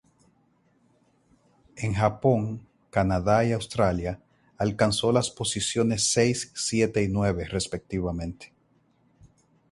En Japón, Canadá y Australia alcanzó las posiciones seis, siete y nueve, respectivamente.